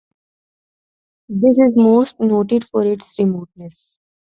This is most noted for its remoteness.